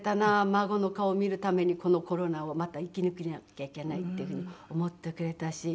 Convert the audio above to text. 孫の顔を見るためにこのコロナをまた生き抜かなきゃいけないっていうふうに思ってくれたし。